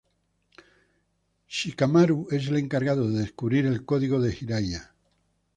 Shikamaru es el encargado de descubrir el código de Jiraiya.